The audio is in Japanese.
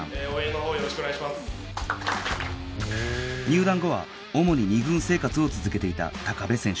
入団後は主に２軍生活を続けていた部選手